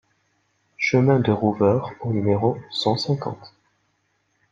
Chemin de Rouveure au numéro cent cinquante